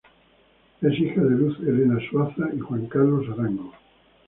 Es hija de Luz Helena Suaza y Juan Carlos Arango.